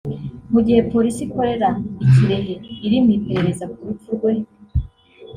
Mu gihe Polisi ikorera i Kirehe iri mu iperereza ku rupfu rwe